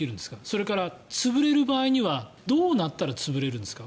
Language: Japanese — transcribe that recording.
それから潰れる場合にはどうなったら潰れるんですか。